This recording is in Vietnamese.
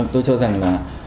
tôi cho rằng là